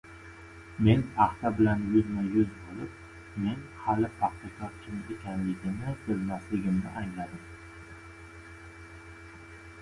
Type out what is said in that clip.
Men paxta bilan yuzma-yuz bo‘lib... men hali paxtakor kim ekanini bilmasligimni angladim.